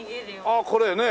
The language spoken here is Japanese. ああこれね。